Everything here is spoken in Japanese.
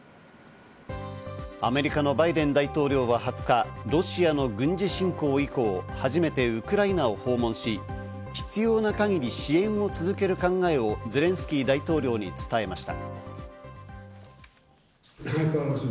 アメリカのバイデン大統領は２０日、ロシアの軍事侵攻以降、初めてウクライナを訪問し、必要な限り支援を続ける考えをゼレンスキー大統領に伝えました。